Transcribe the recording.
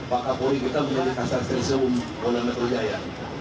semudah pak kapolri kita mengalihkan stresium oleh metro jaya